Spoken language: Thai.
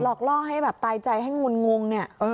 หลอกล่อให้ตายใจให้งุนงุง